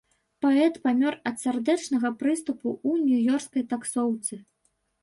Паэт памёр ад сардэчнага прыступу ў нью-ёркскай таксоўцы.